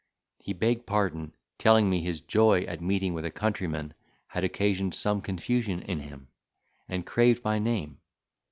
He begged pardon, telling me his joy at meeting with a countryman had occasioned some confusion in him, and craved my name.